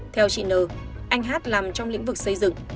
theo chị nờ anh hát làm trong lĩnh vực xây dựng